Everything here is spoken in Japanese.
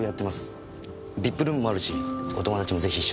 ＶＩＰルームもあるしお友達もぜひ一緒に。